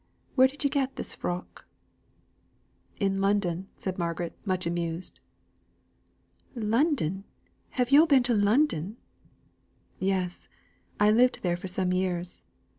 Where did ye get this frock?" "In London," said Margaret, much amused. "London! Have yo' been in London?" "Yes! I lived there for some years.